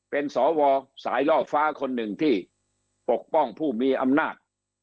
เป็นสวสายล่อฟ้าคนหนึ่งที่ปกป้องผู้มีอำนาจ